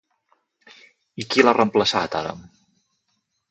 I qui l'ha reemplaçat ara?